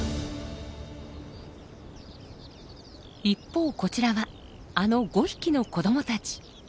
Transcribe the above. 一方こちらはあの５匹の子どもたち。